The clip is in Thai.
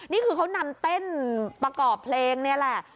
นี่คือเขานำเต้นประกอบเพลงนี่แหละ